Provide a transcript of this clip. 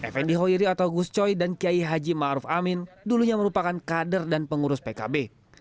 fnd khoiri atau gus coy dan kiai haji ma'ruf amin dulunya merupakan kader dan pengurus pkb